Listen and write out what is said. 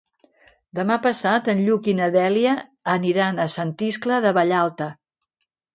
Demà passat en Lluc i na Dèlia aniran a Sant Iscle de Vallalta.